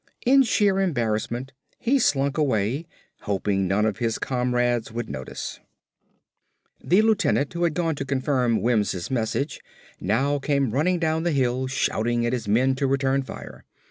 In sheer embarrassment he slunk away, hoping none of his comrades would notice. The lieutenant who had gone to confirm Wims' message now came running down the hill shouting at his men to return fire.